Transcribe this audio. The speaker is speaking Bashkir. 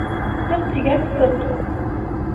Сыҡ, тигәс, сыҡ.